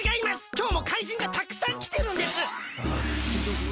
きょうも怪人がたくさんきてるんです！